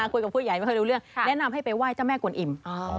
คุยกับผู้ใหญ่ไม่ค่อยรู้เรื่องแนะนำให้ไปไหว้เจ้าแม่กวนอิ่ม